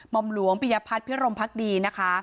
มอมหลวงพิยพรรษพิรมภักดีนะคะ